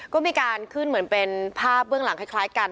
ก็มีการขึ้นเหมือนเป็นภาพเบื้องหลังคล้ายกัน